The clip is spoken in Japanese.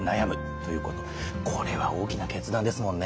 これは大きな決断ですもんね。